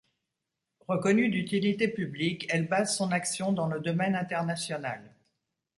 Reconnue d’utilité publique, elle base son action dans le domaine international.